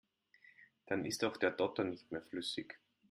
Dann ist auch der Dotter nicht mehr flüssig.